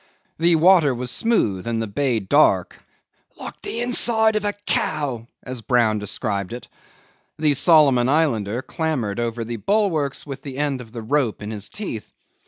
The water was smooth, and the bay dark, "like the inside of a cow," as Brown described it. The Solomon Islander clambered over the bulwarks with the end of the rope in his teeth.